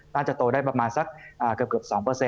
น่าจะโตได้ประมาณสักเกือบ๒